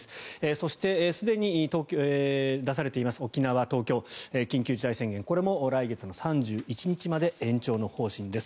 そしてすでに出されています沖縄、東京緊急事態宣言、これも来月３１日まで延長の方針です。